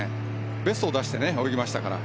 ベストを出して泳ぎましたから。